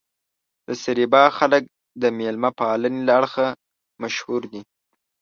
د سربیا خلک د مېلمه پالنې له اړخه مشهور دي.